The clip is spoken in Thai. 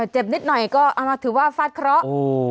เจ็บนิดหน่อยก็เอามาถือว่าฟาดเคราะห์